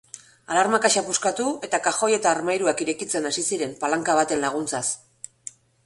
Alarma kaxa puskatu eta kajoi eta armairuak irekitzen hasi ziren palanka baten laguntzaz.